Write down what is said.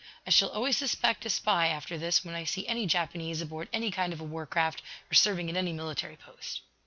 "I shall always suspect a spy, after this, when I see any Japanese aboard any kind of a war craft, or serving at any military post."